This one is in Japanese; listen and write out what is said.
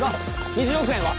２０億円は？